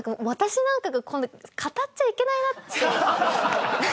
私なんかが語っちゃいけないなって。